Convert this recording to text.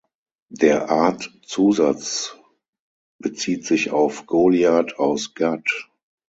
Der Artzusatz bezieht sich auf Goliat aus Gat.